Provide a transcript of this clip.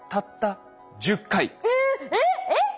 えっえっ？